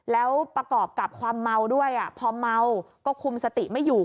แล้วประกอบกับความเมาด้วยพอเมาก็คุมสติไม่อยู่